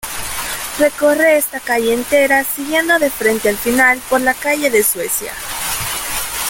Recorre esta calle entera siguiendo de frente al final por la calle de Suecia.